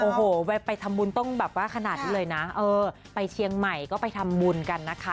โอ้โหไปทำบุญต้องแบบว่าขนาดนี้เลยนะเออไปเชียงใหม่ก็ไปทำบุญกันนะคะ